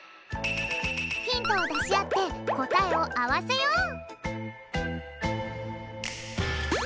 ヒントをだしあってこたえをあわせよう！